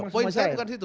poin saya bukan itu